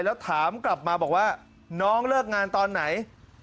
แล้วถามกลับมาบอกว่าน้องเลิกงานตอนไหน